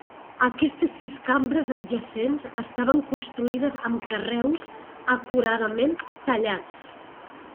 Aquestes sis cambres adjacents estaven construïdes amb carreus acuradament tallats.